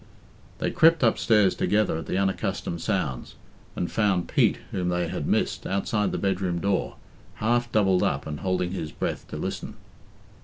They crept upstairs together at the unaccustomed sounds, and found Pete, whom they had missed, outside the bedroom door, half doubled up and holding his breath to listen.